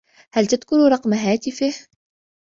هل تذكر رقم هاتفه ؟